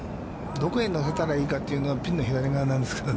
どこへ乗せたらいいといったら、ピンの左側なんですけどね。